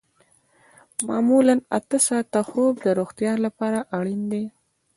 معمولاً اته ساعته خوب د روغتیا لپاره اړین دی